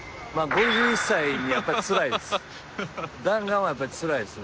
５１歳にはやっぱりつらいです。